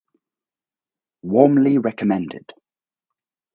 Warmly recommended.